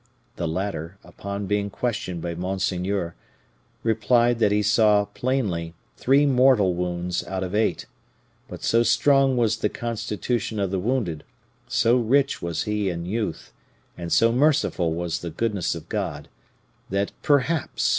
The latter, upon being questioned by monseigneur, replied that he saw plainly three mortal wounds out of eight, but so strong was the constitution of the wounded, so rich was he in youth, and so merciful was the goodness of God, that perhaps M.